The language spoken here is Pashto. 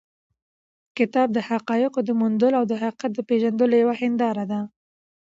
کتاب د حقایقو د موندلو او د حقیقت د پېژندلو یوه هنداره ده.